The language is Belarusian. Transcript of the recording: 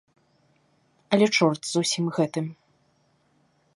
Але чорт з усім гэтым.